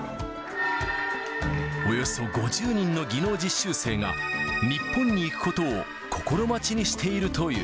およそ５０人の技能実習生が、日本に行くことを心待ちにしているという。